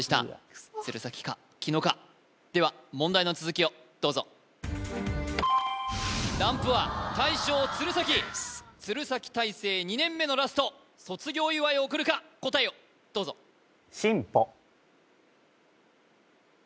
クソッ鶴崎か紀野かでは問題の続きをどうぞランプは大将・鶴崎鶴崎体制２年目のラスト卒業祝いを送るか答えをどうぞ進歩